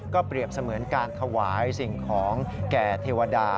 เปรียบเสมือนการถวายสิ่งของแก่เทวดา